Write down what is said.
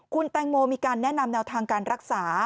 คุณแตงโมมีการแนะนำแนวทางการรักษา